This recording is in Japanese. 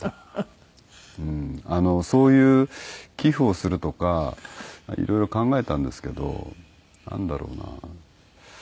そういう寄付をするとかいろいろ考えたんですけどなんだろうな。